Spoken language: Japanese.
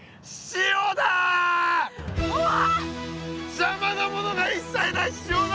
邪魔なものが一切ない塩だ！